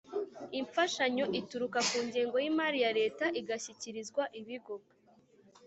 Imfashanyo Ituruka Ku Ngengo Y Imari Ya Leta Igashyikirizwa Ibigo